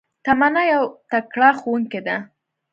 تمنا يو تکړه ښوونکي ده